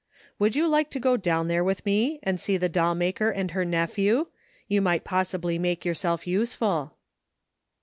" Would you like to go down there with nie and see the doll maker and her nephew? You might possibly make yourself useful."